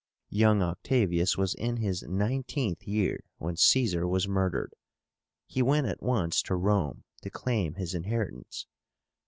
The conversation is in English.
Young Octavius was in his nineteenth year when Caesar was murdered. He went at once to Rome to claim his inheritance.